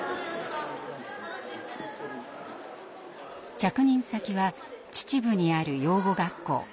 着任先は秩父にある養護学校。